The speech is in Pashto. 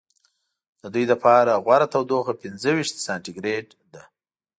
د دوی لپاره غوره تودوخه پنځه ویشت سانتي ګرېد ده.